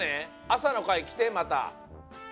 朝の会きてまた。